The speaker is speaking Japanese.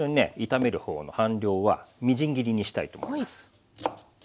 炒めるほうの半量はみじん切りにしたいと思います。